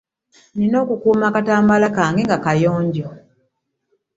Nina okukuuma akatambaala kange nga kayonjo.